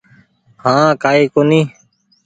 هآنٚ ڪآئي ڪونيٚ